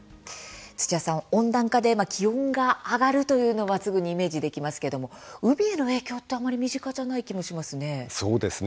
土屋さん、温暖化で気温が上昇するというのはすぐにイメージできますけれど海への影響ってなかなか身近じゃない感じですね。